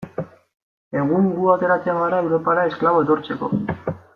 Egun gu ateratzen gara Europara esklabo etortzeko.